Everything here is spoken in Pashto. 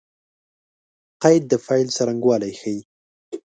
قید د فعل څرنګوالی ښيي.